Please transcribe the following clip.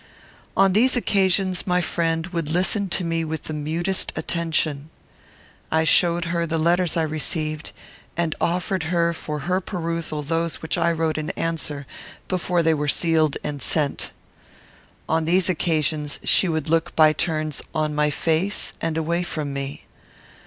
On these occasions my friend would listen to me with the mutest attention. I showed her the letters I received, and offered her for her perusal those which I wrote in answer, before they were sealed and sent. On these occasions she would look by turns on my face and away from me.